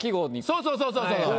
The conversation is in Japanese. そうそうそうそうそう。